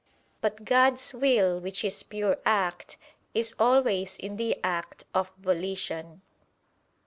But God's will, which is pure act, is always in the act of volition.